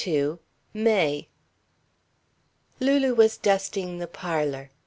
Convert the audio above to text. II MAY Lulu was dusting the parlour.